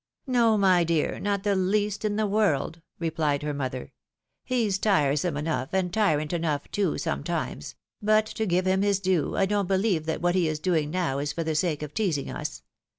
" No, my dear, not the least in the world ;" replied her mother. " He's tiresome enough, and tyrant enough too, sometimes ; but to give him his due, I don't believe that what he is doing now is for the sake of teasing us.